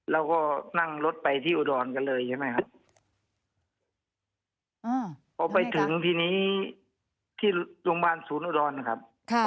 แล้วก็นั่งรถไปที่อุดรกันเลยใช่ไหมครับพอไปถึงทีนี้ที่โรงพยาบาลศูนย์อุดรนะครับ